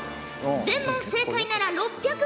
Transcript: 全問正解なら６００